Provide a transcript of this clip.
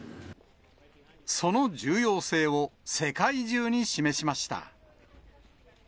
その重要性を世界中に示しました。